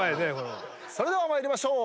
それでは参りましょう。